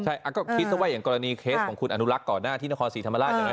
ใช่ก็คิดซะว่าอย่างกรณีเคสของคุณอนุรักษ์ก่อนหน้าที่นครศรีธรรมราชอย่างนั้น